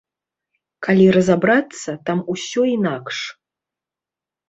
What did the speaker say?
Калі разабрацца, там усё інакш.